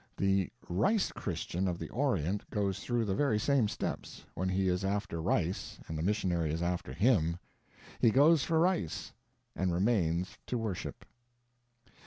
The "rice Christian" of the Orient goes through the very same steps, when he is after rice and the missionary is after him; he goes for rice, and remains to worship.